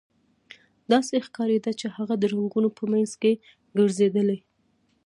داسې ښکاریده چې هغه د رنګونو په مینځ کې ګرځیدلې